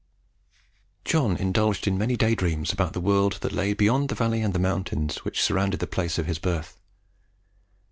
John indulged in many day dreams about the world that lay beyond the valley and the mountains which surrounded the place of his birth.